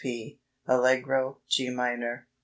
P." Allegro, G minor, 3 8.